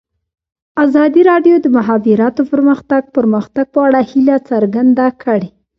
ازادي راډیو د د مخابراتو پرمختګ د پرمختګ په اړه هیله څرګنده کړې.